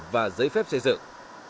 và giấy phép xây dựng